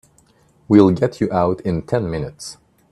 We'll get you out in ten minutes.